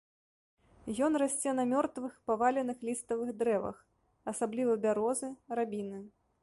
Ён расце на мёртвых, паваленых ліставых дрэвах, асабліва бярозы, рабіны.